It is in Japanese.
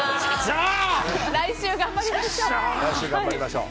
来週、頑張りましょう。